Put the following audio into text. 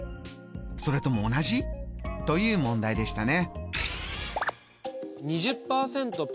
それとも同じ？」という問題でしたね。